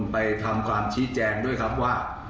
ไปทำความชี้แจงด้วยครับว่า